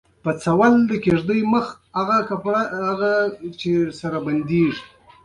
لړم د غنمو د کرلو لپاره مهم وخت دی.